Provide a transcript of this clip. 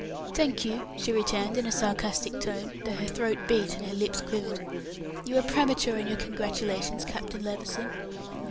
"Thank you," she returned in a sarcastic tone, though her throat beat and her lips quivered. "You are premature in your congratulations, Captain Levison."